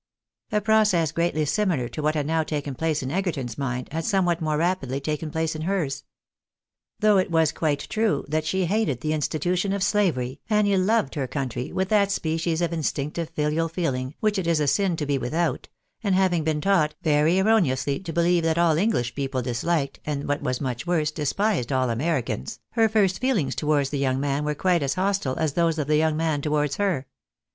A process greatly similar to what had now taken place in Egerton's mind, had somewhat more rapidly taken place in hers. Though it was quite true that she hated the institution of slavery, Annie loved her country with that species of instinctive filial feehng which it is a sin to be without, and having been taught, very erroneously, to believe that all English people disliked, and what was much worse, despised all Americans, her first feehngs towards the young man were quite as hostile as those of the young man towards her.